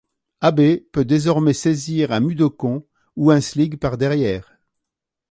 Abe peut désormais saisir un Mudokon ou un Slig par derrière.